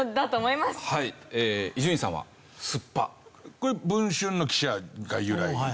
これ『文春』の記者が由来？